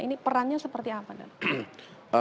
ini perannya seperti apa dan